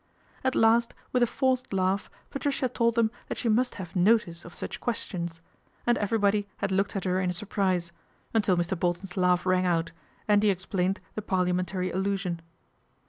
At last, with a forced laugh, Patricia told them that she must have " notice " of such questions, and everybody had looked at her in surprise, until Mr. Bolton's laugh rang out, and he explained the parliamentary allusion.